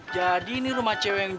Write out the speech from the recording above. tapi ini bukan f accusations